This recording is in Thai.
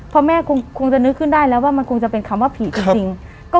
พ่อแม่คงจะนึกขึ้นได้แล้วว่ามันคงจะเป็นคำว่าผีจริง